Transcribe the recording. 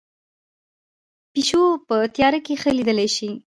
پیشو په تیاره کې ښه لیدلی شي